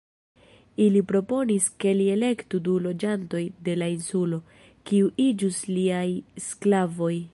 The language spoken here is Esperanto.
Ili proponis ke li elektu du loĝantojn de la insulo, kiu iĝus liaj sklavoj.